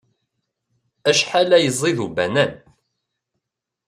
Acḥal ay ẓid ubanan.